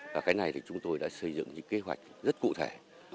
và cái này thì chúng tôi đã xây dựng những kế hoạch rất cụ thể